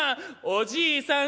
「おじいさん